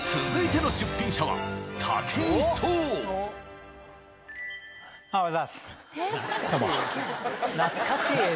［続いての出品者は］